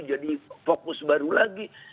jadi fokus baru lagi